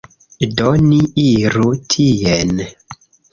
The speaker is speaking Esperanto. Do, ni iru tien